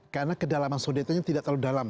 karena kedalaman sodetannya tidak terlalu dalam